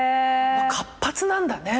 活発なんだね。